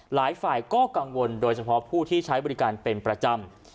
หลายฝ่ายก็กังวลโดยเฉพาะผู้ที่ใช้บริการเป็นประจำ